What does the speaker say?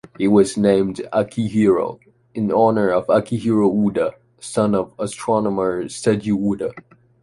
He was named Akihiro in honor of Akihiro Ueda, son of astronomer Seiji Ueda.